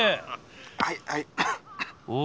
「はいはい」。